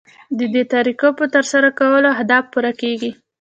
ددې طریقو په ترسره کولو اهداف پوره کیږي.